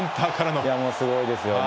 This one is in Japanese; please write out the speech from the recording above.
もうすごいですよね。